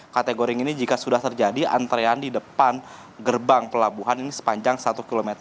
kategori ini jika sudah terjadi antrean di depan gerbang pelabuhan ini sepanjang satu km